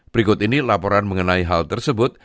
berikut ini laporan mengenai hal tersebut